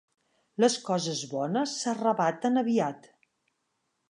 Les coses bones s'arravaten aviat.